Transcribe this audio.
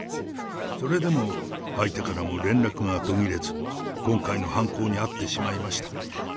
それでも相手からも連絡が途切れず、今回の犯行に遭ってしまいました。